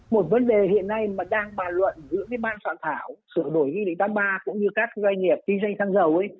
một vấn đề hiện nay mà đang bàn luận giữa cái ban soạn thảo sửa đổi nghị định tám mươi ba cũng như các doanh nghiệp kinh doanh thăng dầu ấy